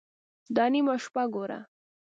_دا نيمه شپه ګوره!